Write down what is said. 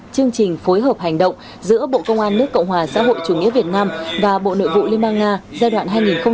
chương trình phối hợp hành động giữa bộ công an nước cộng hòa xã hội chủ nghĩa việt nam và bộ nội vụ liên bang nga giai đoạn hai nghìn hai mươi hai hai nghìn hai mươi ba